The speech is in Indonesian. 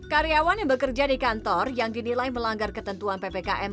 karyawan yang bekerja di kantor yang dinilai melanggar ketentuan ppkm